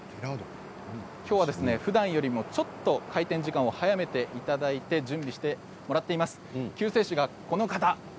今日は、ふだんよりもちょっと開店時間を早めていただいて準備してもらっています、救世主がこの方。